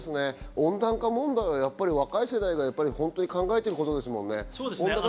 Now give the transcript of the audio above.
温暖化問題は若い世代が考えていることですもんね。